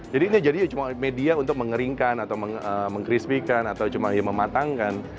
jadi ini jadi cuma media untuk mengeringkan atau mengkrispikan atau cuma mematangkan